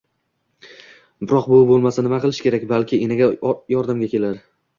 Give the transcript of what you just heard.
biroq buvi bo‘lmasa, nima qilish kerak? Balki enaga yordamga kelar?